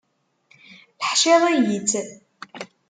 Teḥciḍ-iyi-tt.